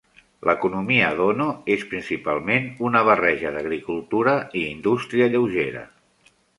L'economia d'Ono és principalment una barreja d'agricultura i indústria lleugera.